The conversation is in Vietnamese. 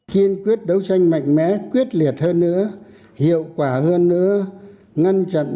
kiên quyết đấu tranh mạnh mẽ quyết liệt hơn nữa hiệu quả hơn nữa ngăn chặn đẩy lùi tham nhũng